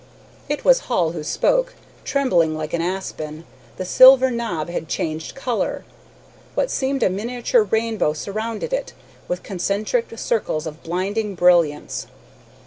It was Hall who spoke, trembling like an aspen. The silver knob had changed color. What seemed a miniature rainbow surrounded it, with concentric circles of blinding brilliance.